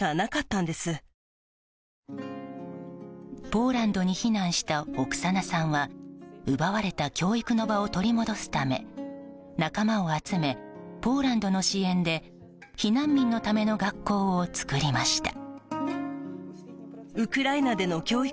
ポーランドに避難したオクサナさんは奪われた教育の場を取り戻すため仲間を集めポーランドの支援で避難民のための学校を作りました。